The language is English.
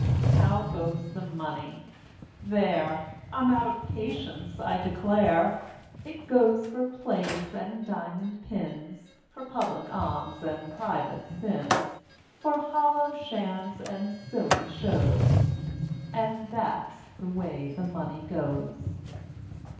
How goes the Money? There! I'm out of patience, I declare; It goes for plays, and diamond pins, For public alms, and private sins, For hollow shams, and silly shows, And that's the way the Money goes!